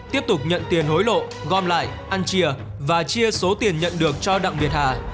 tiếp tục nhận tiền hối lộ gom lại ăn chia và chia số tiền nhận được cho đặng việt hà